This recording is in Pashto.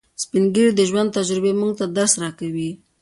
سپین ږیری د ژوند تجربې موږ ته درس راکوي